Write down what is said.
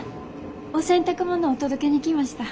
お洗濯物お届けに来ました。